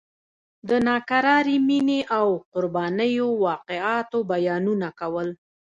د ناکرارې مینې او قربانیو واقعاتو بیانونه کول.